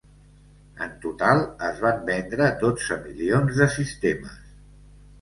En total, es van vendre dotze milions de sistemes.